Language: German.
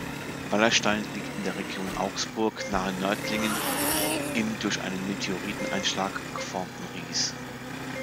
Wallerstein liegt in der Region Augsburg nahe Nördlingen im durch einen Meteoriteneinschlag geformten Ries.